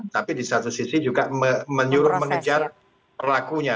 tapi di satu sisi juga menyuruh mengejar pelakunya